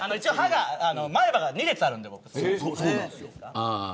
前歯が２列あるんで、僕。